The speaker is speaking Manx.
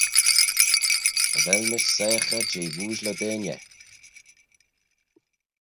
Cha vel mish soiaghey jeh ooashley deiney.